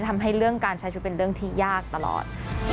ทำให้เรื่องการใช้ชีวิตเป็นเรื่องที่ยากตลอด